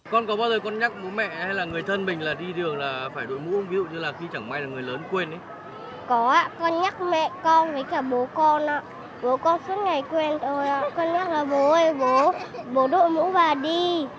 con nhắc mẹ con với cả bố con ạ bố con suốt ngày quen rồi ạ con nhắc là bố ơi bố bố đội mũ bảo đi